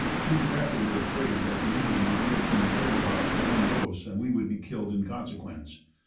She was afterward afraid that the Indian would take the entire box at one dose and we would be killed in consequence.